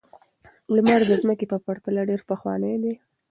لمر د ځمکې په پرتله ډېر پخوانی دی.